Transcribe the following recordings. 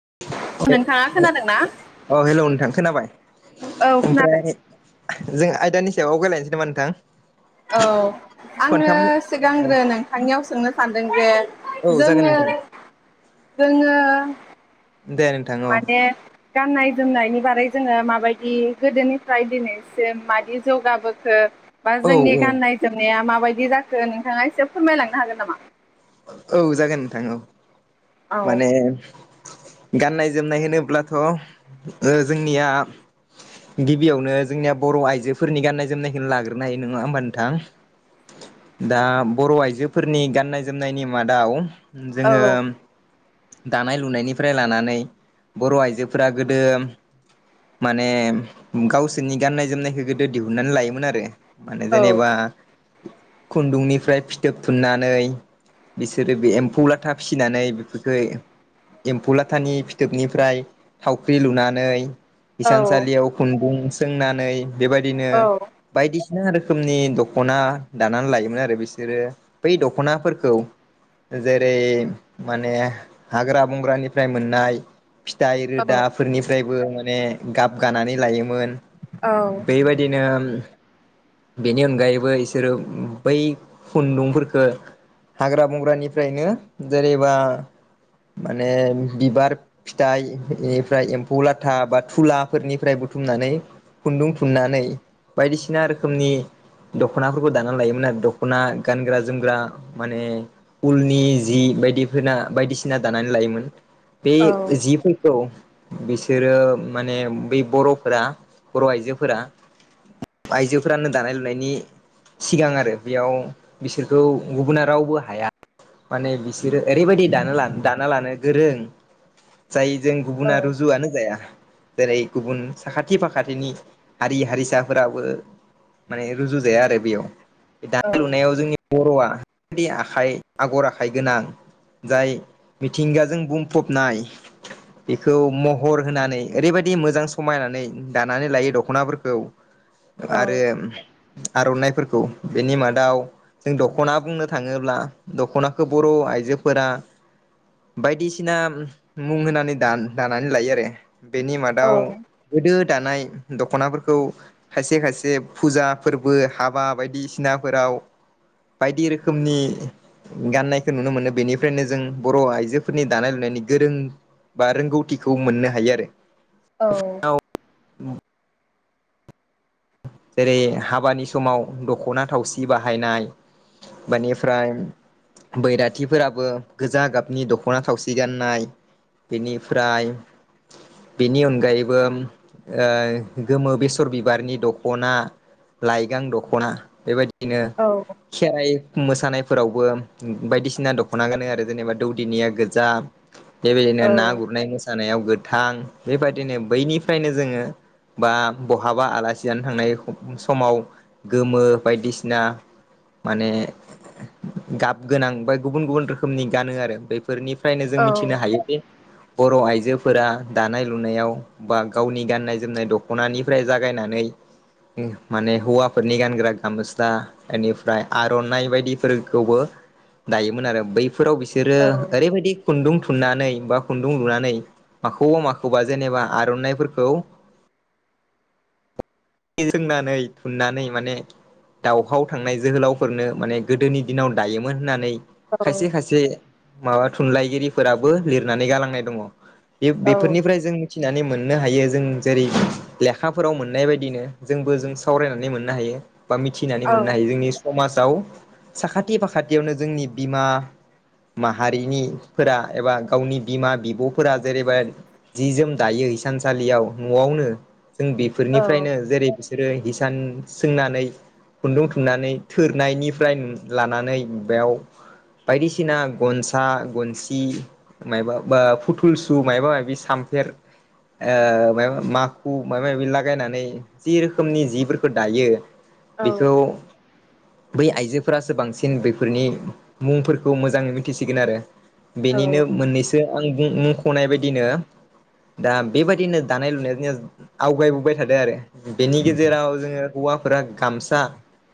[unintelligible] नोंथाङा खोनादोंना? अ हेलौ नोंथां खोनाबाय औ खोनादों। ओमफ्राय, जों आयदानि सायाव आवगायलायनोसै नामा नोंथां, औ आङो खनथाम सिगांग्रो नोंथांनियाव सोंनो सानदों जे औ जागोन जोङो नोंथां जोङो दे नोंथां औ माने गाननाय, जोमनायनि बारै जोङो माबायदि गोदोनिफ्राय दिनैसिम मादि जौगाबोखो बा औ जोंनि औ गाननाय जोमनाया माबाय दि जाखो नोंथाङा एसे फोरमायलांनो हागोन नामा? औ जागोन नोंथां औ। औ माने गाननाय जोमनाय होनोब्लाथ' ओ जोंनिया गिबियावनो जोंनिया बर' आइजोफोरनि गाननाय जोमनायखौ लाग्रोनो हायो नङा होमबा नोंथां? दा बर' आइजोफोरनि गाननाय जोमनायनि मादाव औ जोङो दानाय लुनायनिफ्राय लानानै बर' आइजोफोरा गोदो माने गावसोरनि गाननाय जोमनायखौ गोदो दिहुनन्नानै लायोमोन आरो। माने औ जेनेबा खुन्दुंनिफ्राय फिथोब थुननानै, बिसोरो बे एम्फौ लाथा फिसिनानै बे [unintelligible] एम्फौ लाथानि फिथोबनिफ्राय थावख्रि लुनानै औ हिसानसालियाव खुन्दुं सोंनानै बेबायदिनो औ बायदिसि सिना रोखोमनि दख'ना दानानै लायोमोन आरो बिसोरो बै दख'नाफोरखौ जेरै माने हाग्रा बंग्रानिफ्राय मोननाय फिथाइ औ रोदाफोरनिफ्राय बो माने गाब गानानै लायोमोन औ औ बेबायदिनो बेनि अनगायैबो इसोरो बै खुन्दुंफोरफोरखो हाग्रा बंग्रानिफ्रायनो जेनेबा माने बिबार फिथाइ इनिफ्राय एम्फौ लाथा बा थुलाफोरनिफ्राय बुथुमनानै खुन्दुं थुननानै बायदिसिना रोखोमनि दख'नाफोरखौ दानानै लायोमोन आरो दखना गानग्रा जोमग्रा माने उलनि जि बायदिफिना बायदिसि ना दानानै लायोमोन। बे औ जि फोरखौ बिसोरो माने बै बर'फोरा बर' आइजोफोरा आइजोफोरानो दानाय लुनायनि सिगां आरो बेयाव बिसोरखौ गुबुना रावबो हाया। माने बिसोरो ओरैबायदि दानो ला दाना लानो गोरों, जाय जों गुबुना रुजुआनो जाया। जेरै गुबुन साखाथि फाखाथिनि हारि हारिसाफोराबो माने रुजुजाया आरो बेयाव औ दानाय लुनायाव जोंनि बर'आ बेफोरबायदि आखाइ आगर आखाइ गोनां जाय मिथिंगाजों बुंफबनाय बेखौ महर होनानै ओरैबायदि मोजां समायनानै दानानै लायो दख'नाफोरखौ औ आरो आर'नाइफोरखौ बेनि मादाव जों दख'ना बुंनो थाङोब्ला दख'नाखौ बर' आइजोफोरा बायदिसिना मुं होनानै दान-दानानै लायो आरो बेनि मादाव गोदो दानाय दख'नाफोरखौ खायसे खायसे फुजा फोरबो हाबा बायदिसिनाफोराव बायदि रोखोमनि गाननायखौ नुनो मोनो बेनिफ्रायनो जों बर' आइजोफोरनि दानाय लुनायनि गोरों बा रोंगौथिखौ मोननो हायो आरो। औ जेरै हाबानि समाव दख'ना थावसि बाहायनाय बेनिफ्राय बैराथिफोराबो गोजा गाबनि दख'ना थावसि गाननाय बेनिफ्राय बेनि अनगायैबो ओ गोमो बेसर बिबारनि द खना लाइगां दखना बेबायदि बिदिनो खेराइ मोसानायफोरावबो बायदिसिना दख'ना गानो आरो जेनेबा दौदिनिया गोजा बेबायदिनो ना गुरनाय मोसानायाव गोथां बेबायदिनो बैनिफ्रायनो जोङो बा बहाबा आलासि जानो थांनाय ख समाव गोमो बायदिसिना माने गाब गोनां बा गुबुन गुबुन रोखोमनि गानो आरो बे फोरनिफ्रायनो औ जों मिथिनो हायो दि बर' आइजोफोरा दानाय लुनायाव बा गावनि गाननाय जोमनाय दख'नानिफ्राय जागायनानै माने हौवाफोरनि गानग्रा गामसा एनिफ्राय आर'नाइ बायदिफोरखौबो दायोमोन आरो बै फोराव बिसोरो औ ओरैबायदि खुन्दुं थुननानै बा खुन्दुं लुनानै माखौबा माखौबा जेनेबा आर'नाइफोरखौ सोंनानै थुननानै माने दावहाव थांनाय जोहोलावफोरनो माने गोदोनि दिनाव दायोमोन होननानै औ औ खायसे खायसे माबा थुनलाइगिरिफोराबो लिरनानै गालांनाय दङ। बे बेफोरनिफ्राय जों मिथि नानै मोननो हायो जों जेरै लेखाफोराव मोननाय बायदिनो जोंबो जों सावरायनानै मोननो हायो। बा मिथिनानै मोननो हायो जोंनि समाज जाव साखाथि फाखाथियावनो जोंनि बिमा माहारिनिफोरा एबा गावनि बिमा बिब'फोरा जेरैबा जि जोम दायो हिसानसालियाव न'आवनो जों बेफोरनिफ्रायनो बिसोरो हिसान सोंनानै खुन्दुं थुननानै थोरनायनिफ्राय लानानै बेयाव बायदिसिना गनसा गनसि मायबा बा फुथुलसु मायाबा माबि सामफेर ओ मायबा माखु मायबा माबि लागायनानै जि रोखोमनि जिफोरखौ दायो बेखौ बै आइजोफोरासो बांसिन बेफोरनि मुंफोरखौ मोजाङै मिथिसिगोन आरो। बेनिनो औ मोननैसो आं बुं मुं खनाय बायदिनो दा बेबायदिनो जानाय लुनाय आवगायबोबाय थादों आरो। बेनि गेजेराव जोङो हौवाफोरा गामसा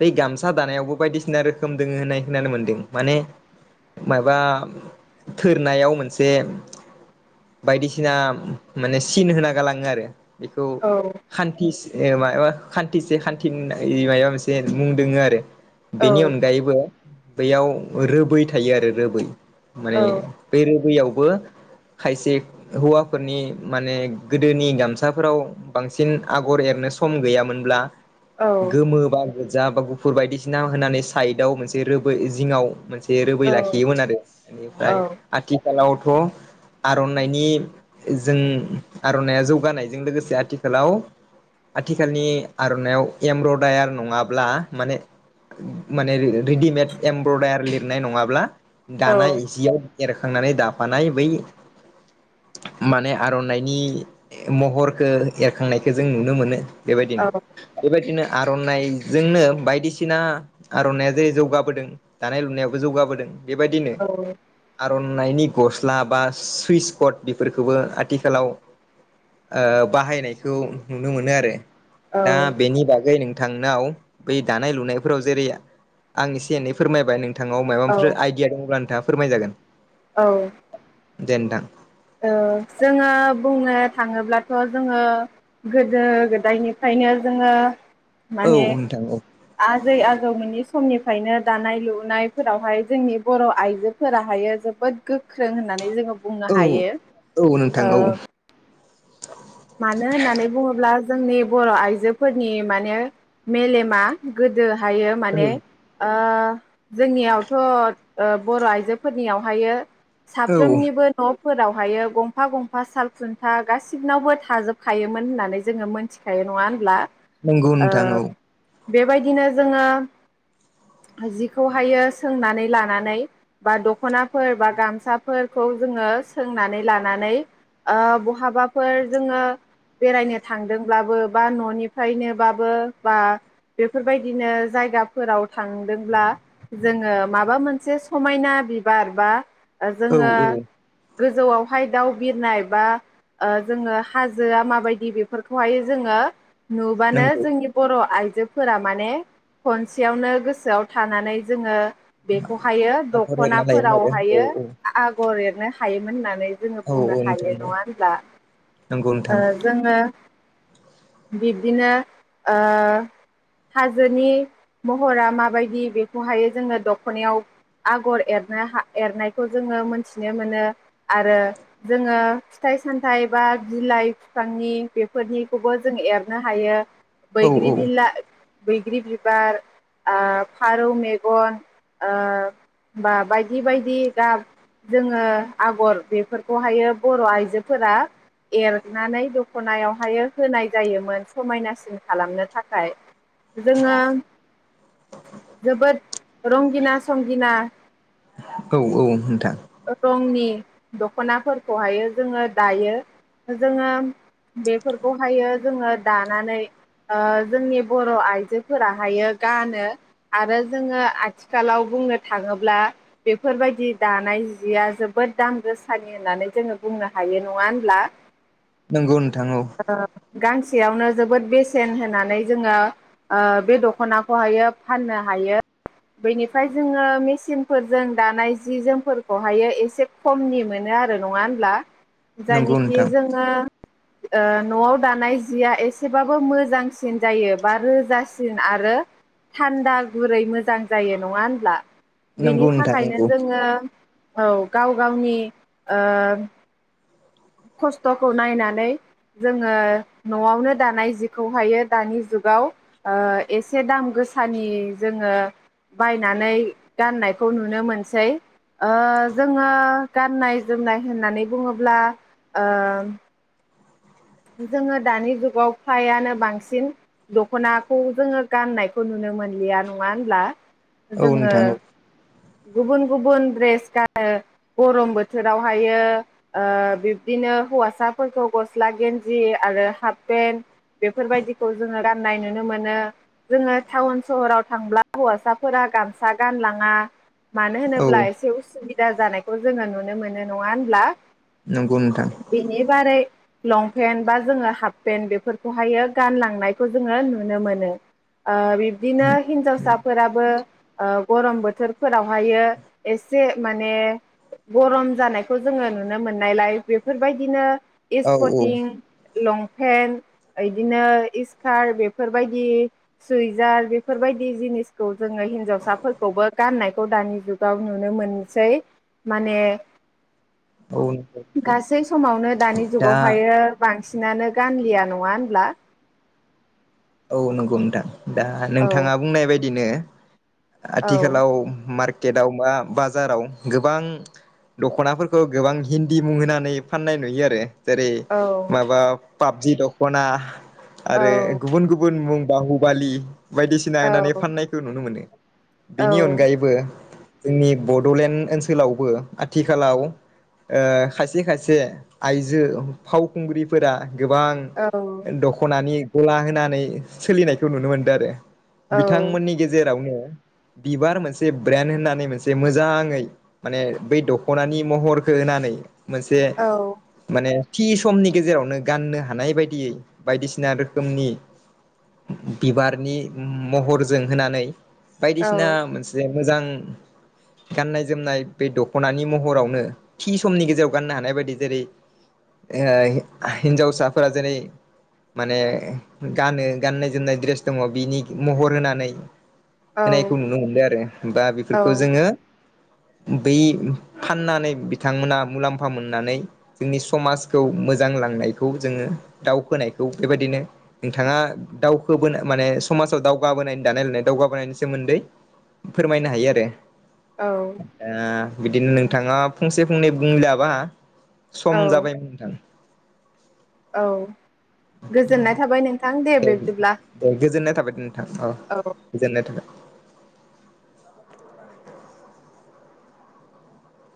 बै गामसा दानायावबो बायदिसिना रोखोम दोङो होननाय होनानो मोनदों माने माबा थोरनायाव मोनसे बायदिसिना माने सिन होना गालाङो आरो। बेखौ औ खान्थि ए माबा खान्थिसे खान्थिनै मायबा मोनसे मुं दोङो आरो। बेनि औ अनगायैबो बेयाव रोबै थायो आरो रोबै। माने बे रोबैयाव बो खायसे हौवाफोरनि माने गोदोनि गामसाफोराव बांसिन आगर एरनो सम गैयामोनब्ला गोमोबा जा बा गुफुर बायदिसिना होनानै साइदाव मोनसे रोबै जिङाव मोनसे जे रोबै लाखियोमोन आरो इनिफ्राय आथि खालावथ' आर'नाइनि जों आर'नाइया जौगानायजों लोगोसे आथिखालाव आथिखालनि आर'नायाव एमब्रदायार नङाब्ला माने माने रेडिमेड एमब्रदायार लिरनाय नङाब्ला दानाय एजियाव एरखांनानै दाफानाय बै माने आर'नाइनि महरखो एरखांनायखो जों नुनो मोनो। बेबायदिनो बेबायदिनो आर'नाइजोंनो बायदिसिना आर'नाइया जेरै जौगाबोदों दानाय लुनायाबो जौगाबोदों। बेबायदिनो आर'न नायनि गस्ला बा सुइस कड बेफोरखौबो आथिखालाव ओ बाहायनायखौ नुनो मोनो आरो। दा बेनि बागै नों थांनायाव बै दानाय लुनायफोराव जेरै आं एसे एनै फोरमायबाय नों थांनाव माबाफोर आइडिया दंब्ला नोंथाङा फोरमायजागोन। औ। दे नोंथां। ओ जोङो बुंनो थाङोब्लाथ' जोङो गोदो गोदायनिफ्रायनो जोङो औ माने नोंथां औ आजै आजौमोननि समनिफ्रायनो दानाय लुनायफोरावहाय जोंनि बर' आइजोफोराहायो जोबोद गोख्रों होननानै जोङो बुंनो औ हायो। औ नोंथां औ। ओ मानो होननानै बुङोब्ला जोंनि बर' आइजोफोरनि माने मेलेमा गोदो हायो माने औ ओ जोंनियावथ' ओ बर' आइजोफोरनियावहायो औ साफ्रोमनिबो न'फोराव ओमायो गंफा गंफा साल खुन्था गासिनावबो थाजोबखायोमोन होननानै जोङो मोनथिखायो नङा होनब्ला। नोंगौ ओ नोंथां औ। बेबायदिनो जोङो जिखौहायो सोंनानै लानानै बा दख'नाफोर बा गामसाफोरखौ जोङो सोंनानै लानानै ओ बहाबाफोर जोङो बेरायनो थांदोंब्लाबो बा न'निफ्रायनोबाबो बा बेफोरबायदिनो जायगाफोराव थांदोंब्ला जोङो माबा मोनसे समायना बिबार बा औ जोङो औ गोजौआवहाय दाउ बिरनाय बा ओ जोङो हाजोआ माबायदि बेफोरखौहाय जोङो नुबानो नंगौ जोंनि बर' आइज जोफोरा माने खनसेयावनो गोसोआव थानानै जोङो बेखौहायो आगर एरना लायोमोन आरो द'खनाफोरावहायो औ आगर एर नो हायोमोन होननानै जोङो औ औ बुंनो औ नोंथां हायो नङा औ होनब्ला? नंगौ ओ नोंथां जोङो बिब्दिनो ओ हाजोनि महरा माबायदि बेखौहाय जोङो दख'नायाव आगर एरनो हा एरनायखौ जोङो मोनथिनो मोनो आरो जोङो फिथाइ सामथाइ बा बिलाइ फिफांनि बेफोरनिखौबो जों एरनो हायो। औ बैग्रि बिला बैग्रि बिबार ओ फारौ मेगन ओ बा बायदि बायदि गाब जोङो आगर बेफोरखौहायो बर' आइजोफोरा एरनानै दखनायावहाय होनाय जायोमोन समायनासिन खालामनो थाखाय। जोङो जोबोद रंगिना संगिना औ औ नोंथां। रंनि दख'नाफोरखौहाय जोङो ओ दायो जोङो बेफोरखौहायो जोङो दानानै ओ जोंनि बर' आइजोफोराहायो गानो आरो जोङो आथिखालाव बुंनो थाङोब्ला बेफोरबायदि दानाय जिया जोबोद दाम गोसानि होननानै जोङो बुंनो हायो। नङा होनब्ला? नंगौ नोंथां औ। गांसेयावनो जोबोद बेसेन होनानै जोङो ओ बे दख'नाखौहायो फाननो हायो। बेनिफ्राय जोङो मेसिनफोरजों दानाय जि जोमफोर खौहायो एसे खमनि मोनो आरो। नङा होनब्ला? नंगौ जायनिखि नोंथां जोङो ओ न'आव दानाय जिया एसेबाबो मोजांसिन जायो बा रोजासिन आरो थान्दा गुरै मोजां जायो। नङा होनब्ला? नंगौ बिनि नोंथां थाखायनो नंगौ जोङो औ गाव गावनि ओ खस्थ'खौ नायनानै जोङो न'आवनो दानाय जिखौहायो दानि जुगाव ओ एसे दाम गोसानि जोङो बायनानै गाननायखौ नुनो मोनसै। ओ जोङो गाननाय जोमनाय होननानै बुङोब्ला ओ जोङो दानि जुगाव फ्रायानो बांसिन दख'नाखौ जोङो गाननायखौ नुनो मोनलिया। नङा होनब्ला? औ जोङो नोंथां औ। गुबुन गुबुन द्रेस गानो, गरम बोथोरावहायो ओ बिब्दिनो हौवासाफोरखौ गस्ला गेन जि आरो हाफ पेन्ट बेफोरबायदिखौ जोङो गाननाय नुनो मोनो। जोङो टाउन सहराव थांब्ला हौवासाफोरा गामसा गानलाङा। मानो औ होनोब्ला एसे उसु बिदा जानायखौ जोङो नुनो मोनो। नङा होनब्ला? नंगौ नोंथां बिनि बारै लं। पेन्ट बा जोङो हाफ पेन्ट बेफोरखौहायो गानलांनायखौ जोङो नुनो मोनो। ओ बिब्दिनो हिन्जावसाफोराबो ओ गरम बोथोरफोरावहायो एसे माने गरम जानायखौ जोङो नुनो मोननायलाय बेफोरबायदिनो औ एसपर तिं लंफेन्ट इदिनो इस्कार्ट बेफोरबायदि सुइजार बेफोरबायदि जिनिसखौ जोङो हिनजावसाफोरखौबो गाननाय खौ दानि जुगाव नुनो मोनसै माने औ गासै समावनो दानि जुगाव दा ओमफायो बांसिन बांसिनानो गानलिया नङा होनब्ला औ नंगौ नोंथां। दा औ नोंथाङा बुंनाय बायदिनो औ आथिखालाव मार्क केटाव मा बाजाराव गोबां दख'नाफोरखौ गोबां हिन्दि मुं होनानै फाननाय नुयो आरो जेरै औ माबा पाबजि दख'ना आरो औ गुबुन गुबुन मुं बाहुुबालि बायदिसिना औ होननानै फाननायखौ नुनो मोनो। औ बेनि अनगायैबो जोंनि बड'लेण्ड ओनसोलावबो आथिखालाव ओ खायसे खायसे आइजो फावखुंग्रिफोरा गोबां औ दख'नानि गला नानै सोलिनायखौ नुनो मोनदों आरो बिथांमोननि गेजेराव बिबार मोनसे ब्रेन्ड होननानै मोनसे मोजाङै माने बै दखनानि महरखौ होनानै मोनसे औ माने थि समनि गेजेरावनो गाननो हानाय बायदियै बायदिसिना रोखोमनि बिबारनि महरजों होनानै बायदिसिना मोनसे मोजां गाननाय जोमनाय बे दख'नानि महरावनो थि समनि गेजेराव गाननो हानाय बायदि जेरै होय हिन्जावसाफोरा जेरै माने गानो गाननाय जोमनाय द्रेस दङ बिनि महर होनानै औ होनायखौ नुनो मोनदों आरो होमबा बेफोरखौ औ जोङो बै फाननानै बिथांमोना मुलाम्फा मोननानै जोंनि समाजखौ मोजां लांनायखौ जोङो दावखोनायखौ बेबायदिनो नोंथाङा दावखोबो माने समाजाव दावगाबोनायनि दानाय लोंनाय दावगाबोनायनि सोमोन्दै फोरमायनो हायो आरो ओ बिदिनो नोंथाङा फंसे फंनै बुंलाबा सम औ जाबायमोन नोंथां। औ गोजोननाय थाबाय नोंथां दे बिब्दिब्ला दे गोजोननाय थाबाय। औ गोजोननाय थाबाय।